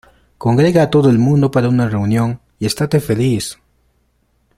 Congrega a todo el mundo para una reunión, y estate feliz.